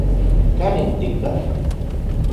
¿Kanin tika?